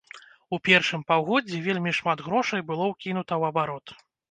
У першым паўгоддзі вельмі шмат грошай было ўкінута ў абарот.